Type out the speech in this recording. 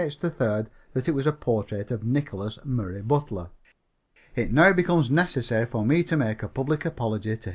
3rd that it was a portrait of Nicholas Murray Butler. It now becomes necessary for me to make a public apology to H.